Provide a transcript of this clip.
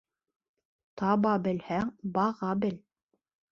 Таба белһәң, баға бел.